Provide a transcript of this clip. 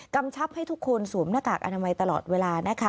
กำชับให้ทุกคนสวมหน้ากากอนามัยตลอดเวลานะคะ